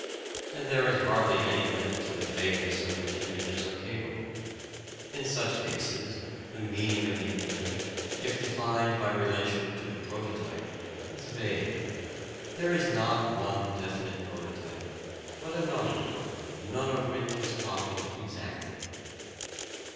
And there is hardly any limit to the vagueness of which images are capable. In such cases, the meaning of the image, if defined by relation to the prototype, is vague: there is not one definite prototype, but a number, none of which is copied exactly.